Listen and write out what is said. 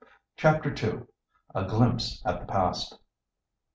CHAPTER II. A GLIMPSE AT THE PAST.